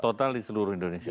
total di seluruh indonesia